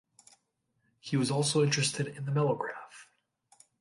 He was also interested in the melograph.